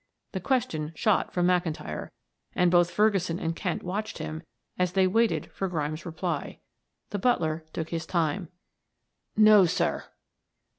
The question shot from McIntyre, and both Ferguson and Kent watched him as they waited for Grimes' reply. The butler took his time. "No, sir."